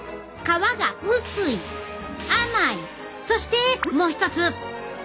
そしてもう一つ！